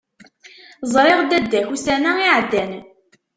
Ẓriɣ dadda-k ussan-a iεeddan.